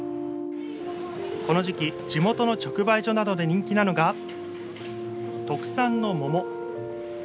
この時期、地元の直売所などで人気なのが、特産の桃。